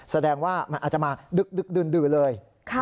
แสดงว่ามันอาจจะมาดึกดื่นเลย